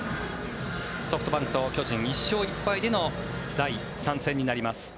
ソフトバンクと巨人１勝１敗での第３戦になります。